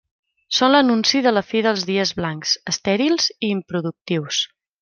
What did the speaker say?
Són l'anunci de la fi dels dies blancs, estèrils i improductius.